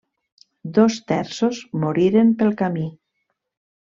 Dos terços moriren pel camí.